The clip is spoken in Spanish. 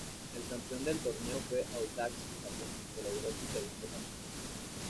El campeón del torneo fue Audax Italiano, que logró su segundo campeonato.